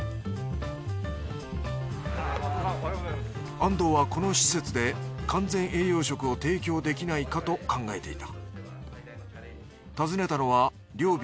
安藤はこの施設で完全栄養食を提供できないかと考えていた。